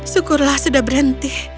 syukurlah sudah berhenti